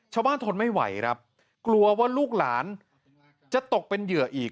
ทนไม่ไหวครับกลัวว่าลูกหลานจะตกเป็นเหยื่ออีก